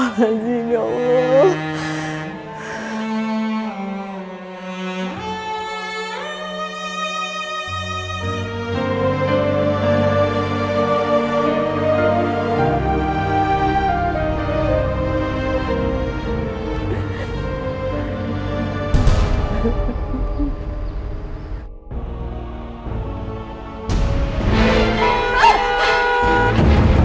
astaghfirullahaladzi ya allah